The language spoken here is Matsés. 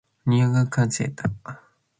nianenda cainta